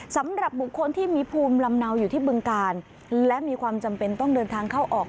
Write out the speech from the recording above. สำหรับบุคคลที่มีภูมิลำเนาอยู่ที่บึงการและมีความจำเป็นต้องเดินทางเข้าออก